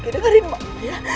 dengarkan mama ya